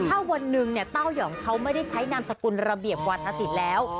ถ้าวันหนึ่งเนี่ยเต้ายองเขาไม่ได้ใช้นามสกุลระเบียบวาธศิษย์แล้ว